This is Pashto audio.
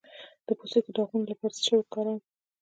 د پوستکي د داغونو لپاره باید څه شی وکاروم؟